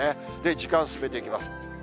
時間進めていきます。